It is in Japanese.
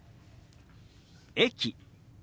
「駅」。